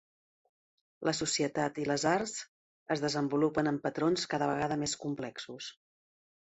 La societat i les arts es desenvolupen en patrons cada vegada més complexos.